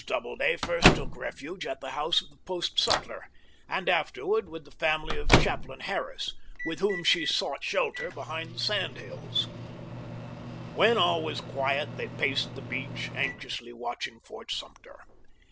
Doubleday first took refuge at the house of the post sutler, and afterward with the family of Chaplain Harris, with whom she sought shelter behind the sand hills. 46 FROM MOULTRIE TO SUMTER. When all was quiet they paced the beach, anxiously watching Fort Sumter.